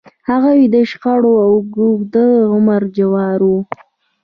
هغوی د شخړو اوږد عمر جوړاوه.